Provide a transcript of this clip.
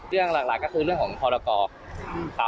เรื่องหลักก็คือเรื่องของพรกรครับ